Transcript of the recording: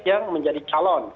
yang menjadi calon